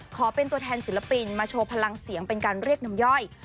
ขอเป็นตัวแทนศิลปินมาโชว์พลังเสียงเป็นการเรียกน้ำย่อย